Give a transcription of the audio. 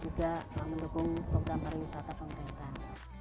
juga mendukung program perwisata pemerintahan